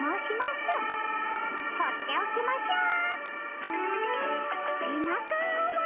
放っておきましょう。